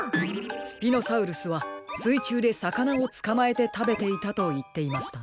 スピノサウルスはすいちゅうでさかなをつかまえてたべていたといっていましたね。